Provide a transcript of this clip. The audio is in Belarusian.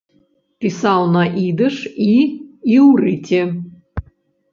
Пісаў на ідыш і іўрыце.